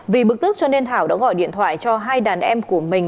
vì bực tức cho nên thảo đã gọi điện thoại cho hai đàn em của mình